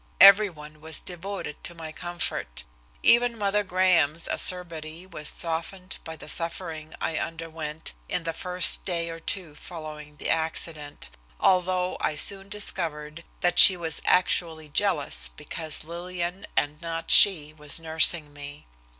Everyone was devoted to my comfort. Even Mother Graham's acerbity was softened by the suffering I underwent in the first day or two following the accident, although I soon discovered that she was actually jealous because Lillian and not she was nursing me.